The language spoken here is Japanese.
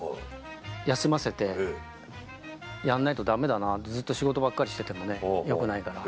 休ませてやんないとダメだなずっと仕事ばっかりしててもねよくないから。